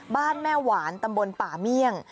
บ้านแม่หวานตำบลป่าเมี่ยง